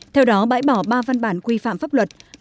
theo đó bãi bỏ ba văn bản quy phạm pháp luật